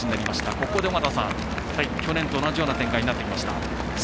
ここで尾方さん、去年と同じような展開になってきました。